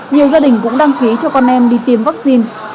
nhiều gia đình cũng đăng ký cho con em đi tiêm vaccine